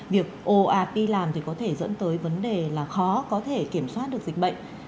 việc oap làm thì có thể dẫn tới vấn đề là khó có thể kiểm soát được dịch bệnh